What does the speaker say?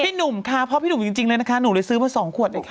หนุ่มค่ะเพราะพี่หนุ่มจริงเลยนะคะหนูเลยซื้อมา๒ขวดเลยค่ะ